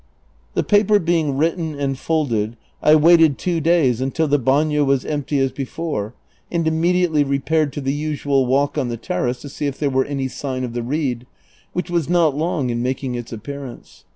The paper being written and folded I waited two days until the baiio was empty as before, and immediately repaired to the usual walk on the terrace to see if there were any sign of the reed, which was not long in making its appearance.